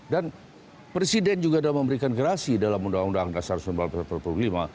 dan presiden juga sudah memberikan gerasi dalam undang undang dasar sembalan pertama perpuluh lima